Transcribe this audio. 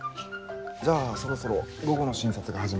じゃあそろそろ午後の診察が始まるので。